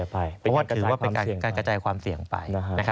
เพราะว่าถือว่าเป็นการกระจายความเสี่ยงไป